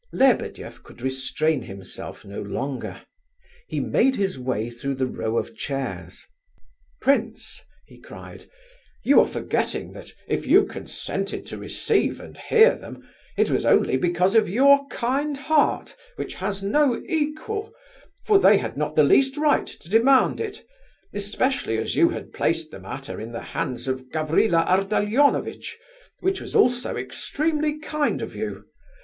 Lebedeff could restrain himself no longer; he made his way through the row of chairs. "Prince," he cried, "you are forgetting that if you consented to receive and hear them, it was only because of your kind heart which has no equal, for they had not the least right to demand it, especially as you had placed the matter in the hands of Gavrila Ardalionovitch, which was also extremely kind of you.